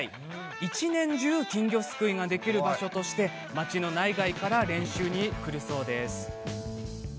一年中金魚すくいができる場所として町の内外から練習に来るそうです。